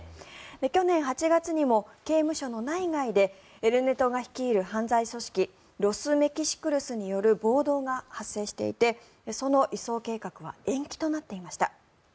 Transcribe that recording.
去年８月にも刑務所の内外でエル・ネトが率いる犯罪組織ロス・メキシクルスによる暴動が発生していてその移送計画が延期となっていました。